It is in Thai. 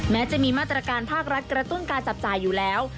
แม้จะมีมาตรการภาครัฐกระตุ้นการจับจ่ายอยู่แล้ว